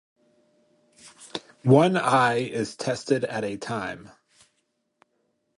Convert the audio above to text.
One eye is tested at a time.